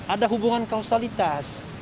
ada hubungan kausalitas